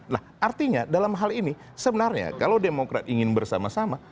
nah artinya dalam hal ini sebenarnya kalau demokrat ingin bersama sama